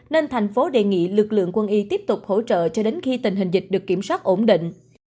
nên thành phố đề nghị lực lượng quân y tiếp tục hỗ trợ cho đến khi tình hình dịch được kiểm soát ổn định